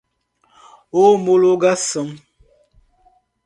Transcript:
homologação